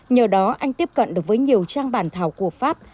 nhờ đó anh tiếp cận được với nhiều trang bản thảo của pháp